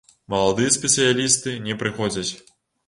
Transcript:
Маладыя спецыялісты не прыходзяць.